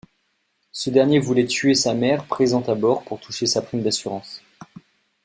Ce dernier voulait tuer sa mère présente à bord pour toucher sa prime d’assurance.